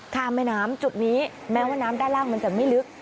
แม่น้ำจุดนี้แม้ว่าน้ำด้านล่างมันจะไม่ลึก